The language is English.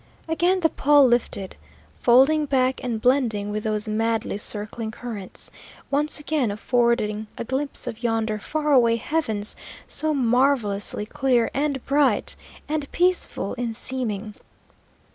Again the pall lifted, folding back and blending with those madly circling currents, once again affording a glimpse of yonder far away heavens, so marvellously clear, and bright, and peaceful in seeming!